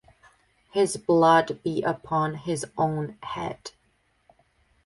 His blood be upon his own head.